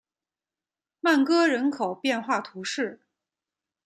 曼戈人口变化图示